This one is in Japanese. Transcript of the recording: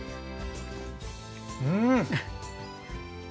うん。